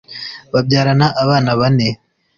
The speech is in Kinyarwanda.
Babyarana abana bane.